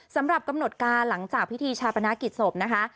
สำหรับกำหนดการหลังจากพิธีชาปนากิจศพนะคะ